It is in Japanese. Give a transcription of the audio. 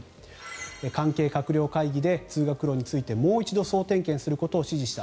関係閣僚会議で通学路についてもう一度総点検することを指示した。